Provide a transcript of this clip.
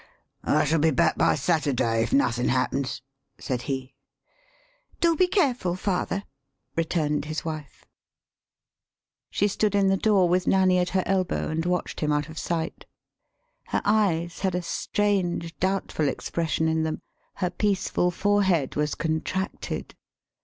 ]" I shall be back by Saturday if nothin' happens," [said he]. "Do be careful, father," returned his wife. She stood in the door with Nanny at her el bow and watched him out of sight. Her eyes had a strange, doubtful expression in them; her peaceful forehead was contracted.